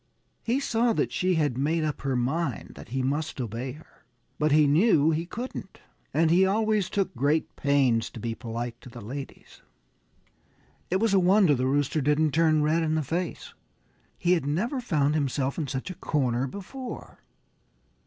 He saw that she had made up her mind that he must obey her. But he knew he couldn't. And he always took great pains to be polite to the ladies. It was a wonder the Rooster didn't turn red in the face. He had never found himself in such a corner before.